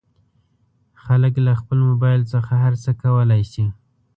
خلک له خپل مبایل څخه هر څه کولی شي.